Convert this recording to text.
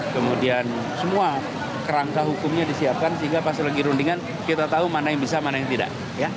kemudian semua kerangka hukumnya disiapkan sehingga pas lagi rundingan kita tahu mana yang bisa mana yang tidak